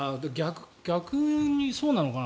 逆にそうなのかな。